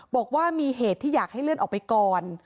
บอกว่ามีเหตุที่อยากให้เลื่อนออกไปก่อน